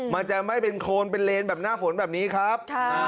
มันจะไม่เป็นโคนเป็นเลนแบบหน้าฝนแบบนี้ครับ